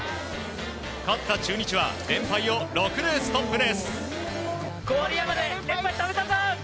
勝った中日は連敗を６でストップです。